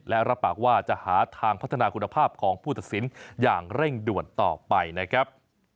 และรับปากว่าจะหาทางพัฒนาคุณภาพของผู้ตัดสินอย่างเร่งด่วนต่อไปนะครับ